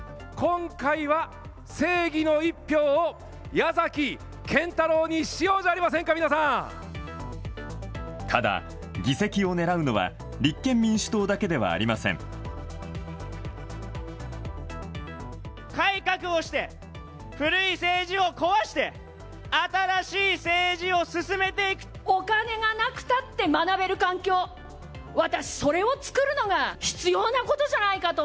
今回は正義の１票を矢崎堅太郎にしようじゃありませんか、ただ、議席を狙うのは立憲民改革をして、古い政治を壊しお金がなくたって学べる環境、私、それを作るのが必要なことじゃないかと。